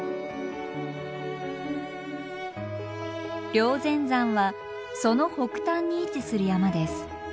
霊仙山はその北端に位置する山です。